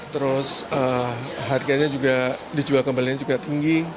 terus harganya juga dijual kembali juga tinggi